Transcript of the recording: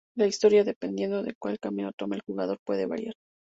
La historia, dependiendo de cuál camino tome el jugador, puede variar.